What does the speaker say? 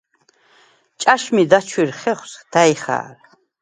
ჭა̈შმი დაჩუ̂ირ ხეხუ̂ს და̈ჲ ხა̄რ.